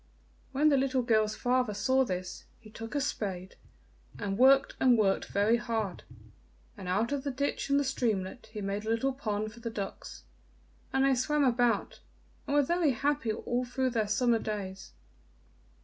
When the little girl's father saw this, he took a spade, and worked and worked very hard, and out of the ditch and the streamlet he made a little pond for the ducks, and they swam about and were very happy all through the summer days.